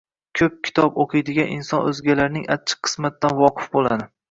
Ko‘p kitob o‘qiydigan inson o‘zgalarning achchiq qismatidan voqif bo‘ladi.